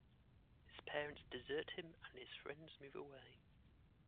His parents desert him and his friends move away.